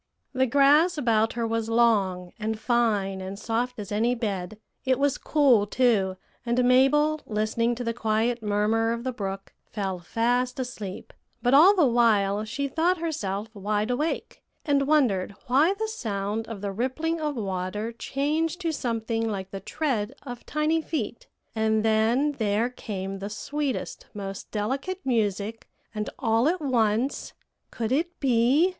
"The grass about her was long, and fine, and soft as any bed; it was cool too, and Mabel, listening to the quiet murmur of the brook, fell fast asleep; but all the while she thought herself wide awake, and wondered why the sound of the rippling of water changed to something like the tread of tiny feet; and then there came the sweetest, most delicate music; and all at once could it be?